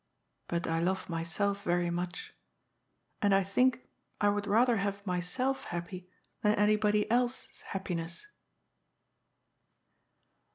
But I love myself very much. And I think I would rather have myself happy than any body else's happiness."